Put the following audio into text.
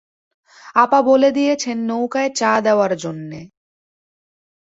আপা বলে দিয়েছেন নৌকায় চা দেওয়ার জন্যে।